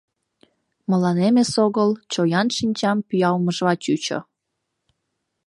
Мыланем эсогыл чоян шинчам пӱялмыжла чучо.